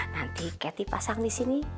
nanti kety pasang disini